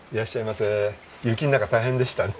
雪の中大変でしたね。